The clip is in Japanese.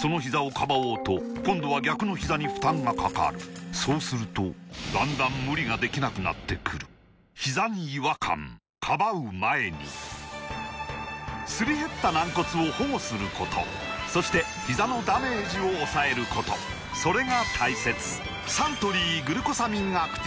そのひざをかばおうと今度は逆のひざに負担がかかるそうするとだんだん無理ができなくなってくるすり減った軟骨を保護することそしてひざのダメージを抑えることそれが大切サントリー「グルコサミンアクティブ」